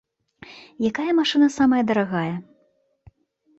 Якая машына самая дарагая?